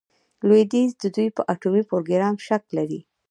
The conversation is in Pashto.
لویدیځ د دوی په اټومي پروګرام شک لري.